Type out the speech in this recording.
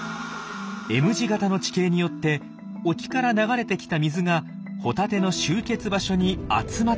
Ｍ字型の地形によって沖から流れてきた水がホタテの集結場所に集まっていたんです。